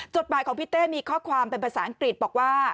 จดหมายของพี่เต้มีข้อความเป็นภาษาอังกฤษบอกว่า